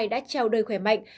đã trao đôi khỏe mạnh